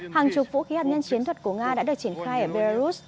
hàng chục vũ khí hạt nhân chiến thuật của nga đã được triển khai ở belarus